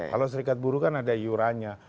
kalau serikat buruh kan ada iuran nya